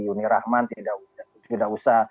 yuni rahman tidak usah